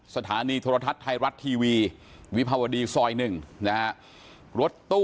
สถานีธรรษัตริย์ไทยรัคทีวีวิพาวดีซอยหนึ่งนะฮะ